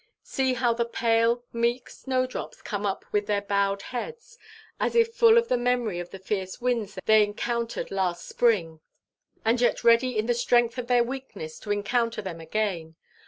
See how the pale, meek snowdrops come up with their bowed heads, as if full of the memory of the fierce winds they encountered last spring, and yet ready in the strength of their weakness to encounter them again.